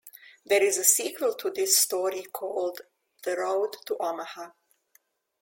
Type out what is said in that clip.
There is a sequel to this story called "The Road to Omaha".